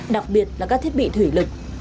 đặc biệt là các thiết bị thủy lực